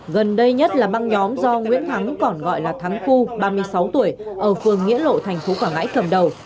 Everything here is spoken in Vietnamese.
gần đây nhất là băng nhóm do nguyễn thắng còn gọi là thắng phu ba mươi sáu tuổi ở phường nghĩa lộ thành phố quảng ngãi cầm đầu